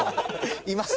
います。